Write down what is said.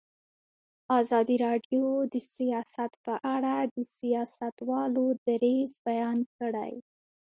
ازادي راډیو د سیاست په اړه د سیاستوالو دریځ بیان کړی.